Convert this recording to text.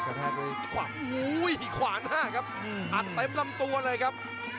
โอ้โหหิขวานฮะครับอัดเต็มลำตัวเลยครับ